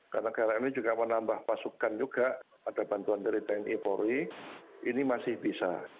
karena krl ini juga menambah pasukan juga ada bantuan dari tni polri ini masih bisa